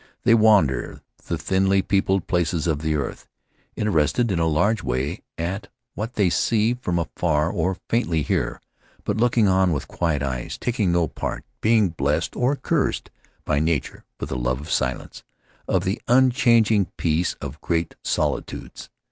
They wander the thinly peopled places of the earth, interested in a large way at what they see from afar or faintly hear, but looking on with quiet eyes; taking no part, being blessed or cursed by nature with a love of silence, of the unchanging peace of great solitudes.